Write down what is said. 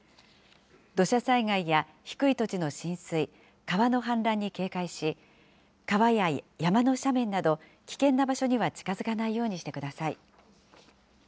土砂災害や低い土地の浸水、川の氾濫に警戒し、川や山の斜面など危険な場所には近づかないようにしてください。